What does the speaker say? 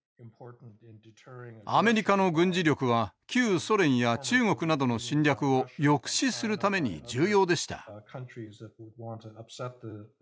アメリカの軍事力は旧ソ連や中国などの侵略を抑止するために重要でした。